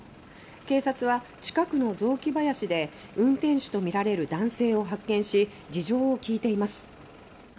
警察は、近くの雑木林で運転手と見られる男性を発見し事情を聞いています。